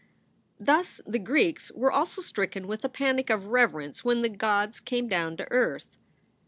Thus the Greeks were also stricken with a panic of rever ence when the gods came down to earth.